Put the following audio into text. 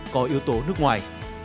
có yếu tố nước ngoài